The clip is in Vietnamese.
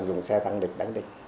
dùng xe tăng địch đánh địch